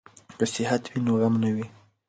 که صحت وي نو غم نه وي.